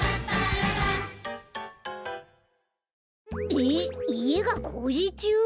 えっいえがこうじちゅう？